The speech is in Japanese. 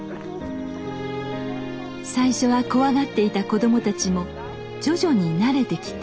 最初は怖がっていた子供たちも徐々に慣れてきて。